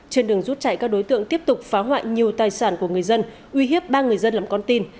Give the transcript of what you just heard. trên đường rút chạy các đối tượng tiếp tục phá hoại nhiều tài sản của người dân uy hiếp ba người dân làm con tin